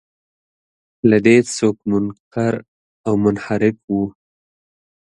له دې څوک منکر او منحرف و.